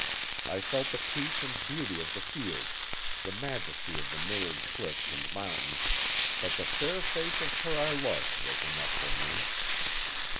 I felt the peace and beauty of the fields, the majesty of the mirrored cliffs and mountains, but the fair face of her I loved was enough for me.